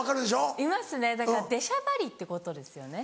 いますねだから出しゃばりってことですよね。